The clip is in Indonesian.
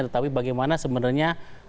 tetapi bagaimana sebenarnya